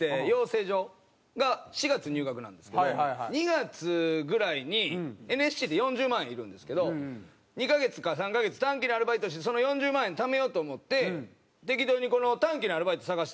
２月ぐらいにＮＳＣって４０万円いるんですけど２カ月か３カ月短期のアルバイトしてその４０万円ためようと思って適当に短期のアルバイト探してたんですよ。